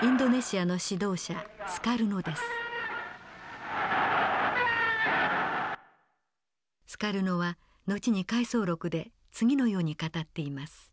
スカルノは後に回想録で次のように語っています。